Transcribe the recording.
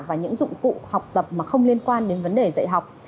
và những dụng cụ học tập mà không liên quan đến vấn đề dạy học